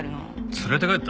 連れて帰った？